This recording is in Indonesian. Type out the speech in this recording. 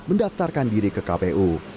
mendaftarkan diri ke kpu